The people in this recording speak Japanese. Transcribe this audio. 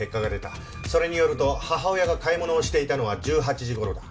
それによると母親が買い物をしていたのは１８時頃だ。